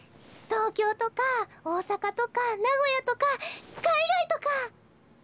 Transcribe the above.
東京とか大阪とか名古屋とか海外とか！